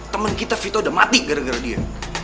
teman kita vito udah mati gara gara dia